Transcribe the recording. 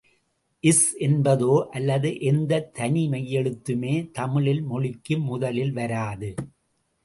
ஸ் என்பதோ அல்லது எந்தத் தனிமெய்யெழுத்துமே தமிழில் மொழிக்கு முதலில் வராது.